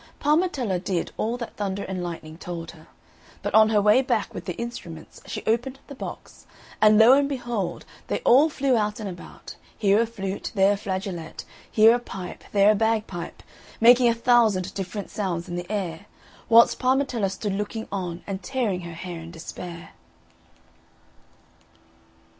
Parmetella did all that Thunder and Lightning told her; but on her way back with the instruments she opened the box, and lo and behold! they all flew out and about here a flute, there a flageolet, here a pipe, there a bagpipe, making a thousand different sounds in the air, whilst Parmetella stood looking on and tearing her hair in despair.